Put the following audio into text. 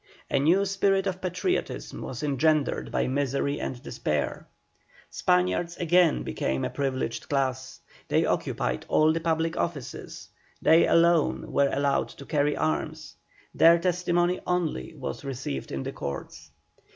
A new spirit of patriotism was engendered by misery and despair. Spaniards again became a privileged class, they occupied all the public offices, they alone were allowed to carry arms, their testimony only was received in the courts.